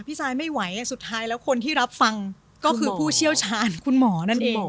ซายไม่ไหวสุดท้ายแล้วคนที่รับฟังก็คือผู้เชี่ยวชาญคุณหมอนั่นเอง